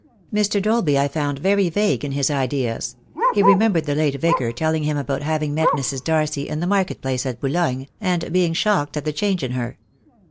"Mr. Dolby I found very vague in his ideas. He re membered the late vicar telling him about having met Mrs. Darcy in the market place at Boulogne, and being shocked at the change in her.